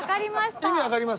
意味わかります？